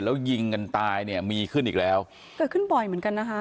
แล้วยิงกันตายเนี่ยมีขึ้นอีกแล้วเกิดขึ้นบ่อยเหมือนกันนะคะ